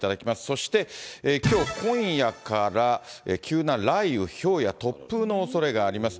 そして、きょう、今夜から急な雷雨、ひょうや突風のおそれがあります。